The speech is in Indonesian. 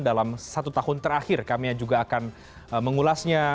dalam satu tahun terakhir kami juga akan mengulasnya